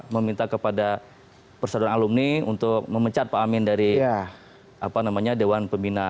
meminta kepada persaudaraan alumni untuk memecat pak amin dari dewan pembina